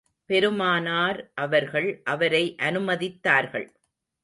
பெருமானார் அவர்கள் அவரை அனுமதித்தார்கள்.